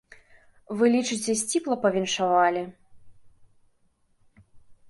Вы лічыце, сціпла павіншавалі?